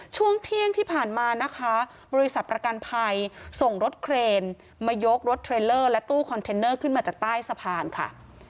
ช่วงเที่ยงที่ผ่านมานะคะบริษัทประกันภัยส่งรถเครนมายกรถเทรลเลอร์และตู้คอนเทนเนอร์ขึ้นมาจากใต้สะพานค่ะ